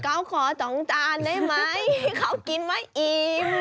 เก้าขอ๒จานได้ไหมเขากินไม่อิ่ม